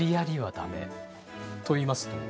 といいますと？